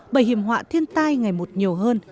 bởi hiểm họa thiên tai ngày một nhiều hơn